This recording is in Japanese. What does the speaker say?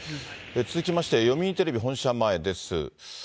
続きまして、読売テレビ本社前です。